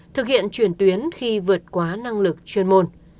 thực hiện chuyển tuyến khi vượt quá năng lực chuyên môn